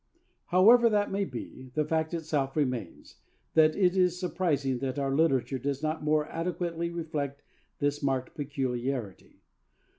However that may be, the fact itself remains; and it is surprising that our literature does not more adequately reflect this marked peculiarity.